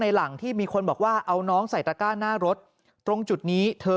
หลังที่มีคนบอกว่าเอาน้องใส่ตระก้าหน้ารถตรงจุดนี้เธอ